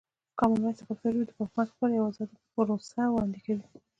کامن وایس د پښتو ژبې د پرمختګ لپاره یوه ازاده پروسه وړاندې کوي.